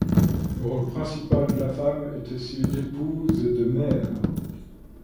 Le rôle principal de la femme était celui d'épouse et de mère.